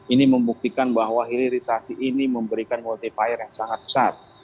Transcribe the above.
ini membuktikan bahwa hilirisasi ini memberikan multi fire yang sangat besar